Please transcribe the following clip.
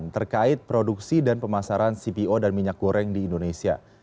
terkait produksi dan pemasaran cpo dan minyak goreng di indonesia